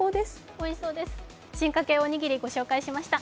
おいしそうです、進化系おにぎりご紹介しました。